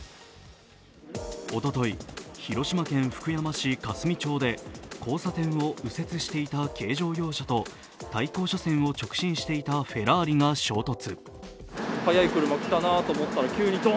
おととい、広島県福山市霞町で交差点を右折していた軽乗用車と対向車線を直進していたフェラーリが衝突。